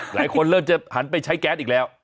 หลายคนเริ่มจะหันไปใช้แก๊สอีกแล้ว